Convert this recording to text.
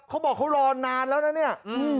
เขาบอกเขารอนานแล้วนะเนี่ย